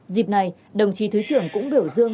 dịp này đồng chí thứ trưởng cũng biểu dương